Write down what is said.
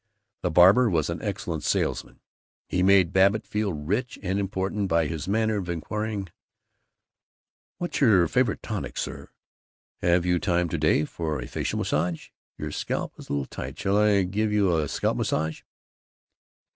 The barber was an excellent salesman. He made Babbitt feel rich and important by his manner of inquiring, "What is your favorite tonic, sir? Have you time to day, sir, for a facial massage? Your scalp is a little tight; shall I give you a scalp massage?"